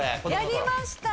やりました！